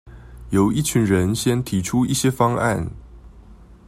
由一群人先提出一些方案